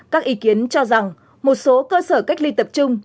các ý kiến cho rằng một số cơ sở cách ly tập trung